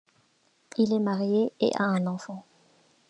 Il est marié et a un enfant.